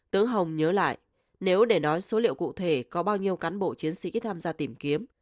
tớ hồng nhớ lại nếu để nói số liệu cụ thể có bao nhiêu cán bộ chiến sĩ tham gia tìm kiếm